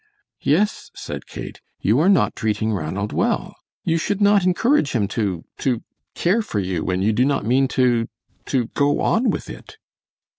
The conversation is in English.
"Yes." said Kate; "you are not treating Ranald well. You should not encourage him to to care for you when you do not mean to to go on with it."